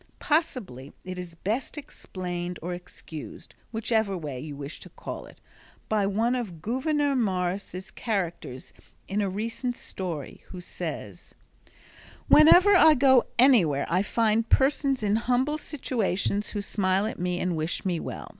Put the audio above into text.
Possibly it is best explained or excused, whichever way you wish to call it, by one of Gouverneur Morris's characters in a recent story, who says: "Whenever I go anywhere I find persons in humble situations who smile at me and wish me well.